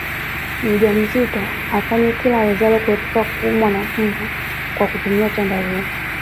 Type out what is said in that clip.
Mjamzito afanye kila awezalo kuepuka kuumwa na mbu kwa kutumia chandarua